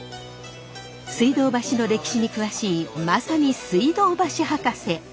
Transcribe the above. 水道橋の歴史に詳しいまさに水道橋博士！